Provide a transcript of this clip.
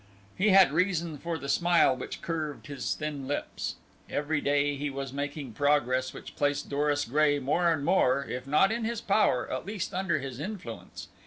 He had reason for the smile which curved his thin lips. Every day he was making progress which placed Doris Gray more and more, if not in his power, at least under his influence.